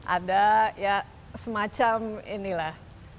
ada ya semacam inilah